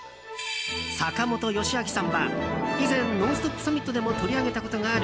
坂本良晶さんは以前ＮＯＮＳＴＯＰ！サミットでも取り上げたことがある